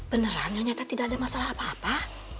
beneran nyonya tadi tidak ada masalah apa apa